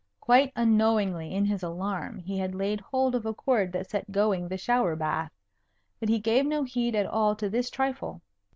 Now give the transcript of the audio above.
Quite unknowingly in his alarm he had laid hold of a cord that set going the shower bath; but he gave no heed at all to this trifle.